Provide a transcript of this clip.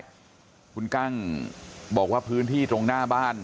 บางศาลสวทีคุณกล้างบอกว่าพื้นที่ตรงหน้าบ้าน